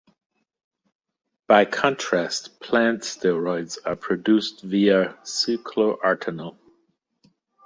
By contrast plant steroids are produced via cycloartenol.